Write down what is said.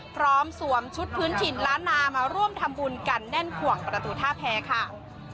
สวมชุดพื้นถิ่นล้านนามาร่วมทำบุญกันแน่นขวงประตูท่าแพ้ค่ะ